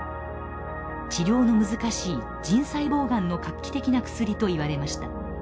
治療の難しい腎細胞がんの画期的な薬といわれました。